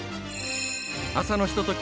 朝のひととき